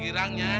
gak ada gilangnya